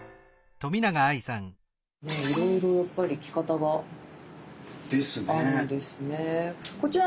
いろいろやっぱり着方があるんですね。ですね。